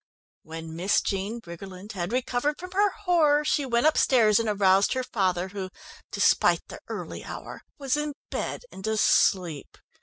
"When Miss Jean Briggerland had recovered from her horror, she went upstairs and aroused her father, who, despite the early hour, was in bed and asleep.